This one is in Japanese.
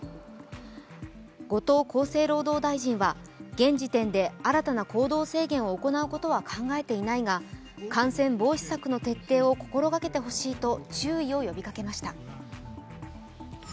後藤厚生労働大臣は、現時点で新たな行動制限を行うことは考えていないが、感染防止策の徹底を心がけてほしいと注意を呼びかけました。